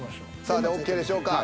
さあＯＫでしょうか。